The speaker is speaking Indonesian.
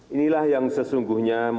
inilah yang sesungguhnya memperkenalkan